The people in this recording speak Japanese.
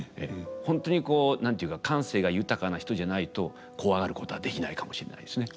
本当にこう何て言うか感性が豊かな人じゃないとコワがることはできないかもしれないですね。